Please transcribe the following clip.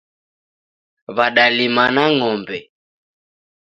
W'adalima na ngombe